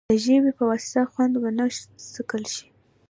د ژبې په واسطه خوند ونه څکل شي.